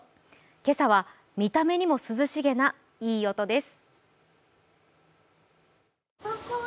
今朝は見た目にも涼しげないい音です。